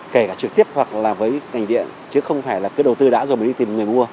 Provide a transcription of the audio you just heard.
kể cả trực tiếp hoặc là với ngành điện chứ không phải là cứ đầu tư đã rồi đi tìm người mua